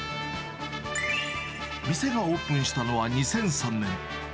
店がオープンしたのは２００３年。